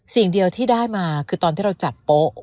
สิ่งเดียวที่ได้มาคือตอนที่เราจับโป๊ะ